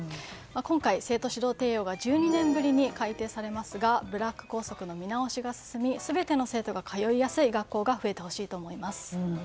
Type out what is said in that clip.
今回、「生徒指導提要」が１２年ぶりに改訂されますがブラック校則の見直しが進み全ての生徒が通いやすい学校が増えてほしいと思います。